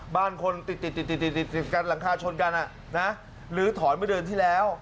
บ้านคนติดหลังคาชนกันอ่ะหรือถอนไปเดินที่แล้ว